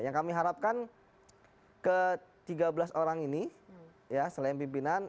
yang kami harapkan ke tiga belas orang ini ya selain pimpinan